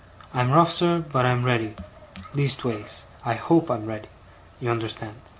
I'm rough, sir, but I'm ready least ways, I hope I'm ready, you unnerstand.